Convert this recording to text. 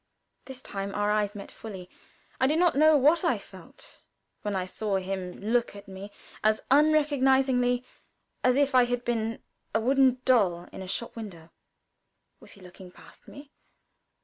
This time our eyes met fully. I do not know what I felt when I saw him look at me as unrecognizingly as if I had been a wooden doll in a shop window. Was he looking past me?